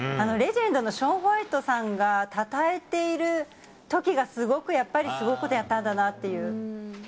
レジェンドのショーン・ホワイトさんがたたえているときがすごくやっぱり、すごいことをやったんだなっていう。